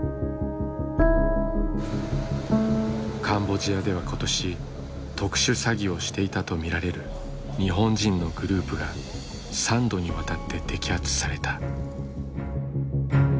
カンボジアでは今年特殊詐欺をしていたと見られる日本人のグループが３度にわたって摘発された。